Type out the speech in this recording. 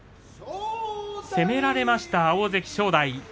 攻められました、大関正代。